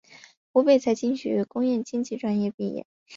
湖北财经学院工业经济专业毕业。